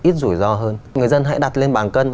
ít rủi ro hơn người dân hãy đặt lên bảng cân